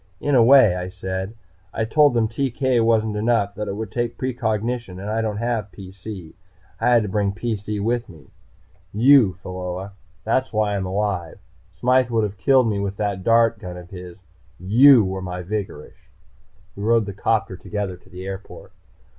"In a way," I said. "I told them TK wasn't enough that it would take precognition. And I don't have PC. I had to bring a PC with me. You, Pheola. That's why I'm alive. Smythe would have killed me with that dart gun of his. You were my vigorish!" We rode the 'copter together to the airport.